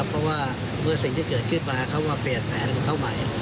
เพราะว่าเมื่อสิ่งที่เกิดขึ้นมาเขามาเปลี่ยนแผนของเขาใหม่